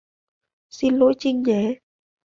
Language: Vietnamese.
Xin lỗi Trinh nhé